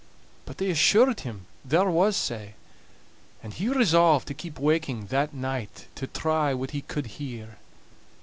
But they assured him there was sae; and he resolved to keep waking that night to try what he could hear.